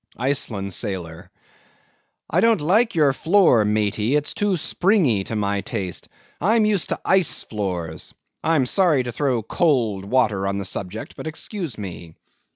ICELAND SAILOR. I don't like your floor, maty; it's too springy to my taste. I'm used to ice floors. I'm sorry to throw cold water on the subject; but excuse me.